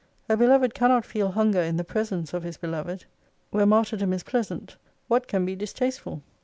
A beloved cannot feel hunget in the presence of his beloved. Where martyrdom is pleasant, what can be distasteful.